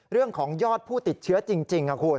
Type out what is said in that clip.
เรื่องของยอดผู้ติดเชื้อจริงค่ะคุณ